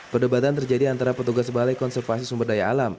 perdebatan terjadi antara petugas balai konservasi sumber daya alam